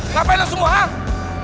ngapain lo semua ah